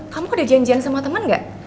kamu ada janjian sama temen nggak